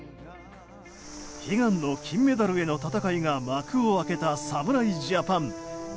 悲願の金メダルへの戦いが幕を開けた侍ジャパン。